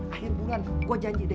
akhir bulan gue janji deh ya